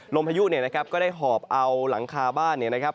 พายุเนี่ยนะครับก็ได้หอบเอาหลังคาบ้านเนี่ยนะครับ